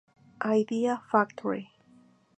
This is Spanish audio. Idea Factory